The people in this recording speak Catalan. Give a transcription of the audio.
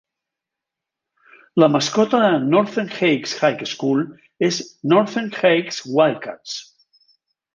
La mascota de Northern Heights High School és Northern Heights Wildcats.